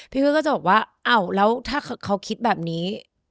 เพื่อนก็จะบอกว่าอ้าวแล้วถ้าเขาคิดแบบนี้